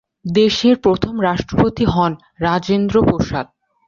দেশের প্রথম রাষ্ট্রপতি হন রাজেন্দ্র প্রসাদ।